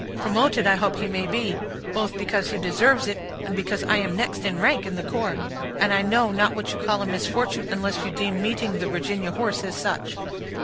Promoted I hope he may be, both because he deserves it, and because I am next in rank in the corps; and I know not what you call a misfortune, unless you deem meeting the Virginia horse as such."